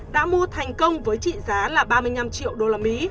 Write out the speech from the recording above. đã mua thành công với trị giá là ba mươi năm triệu usd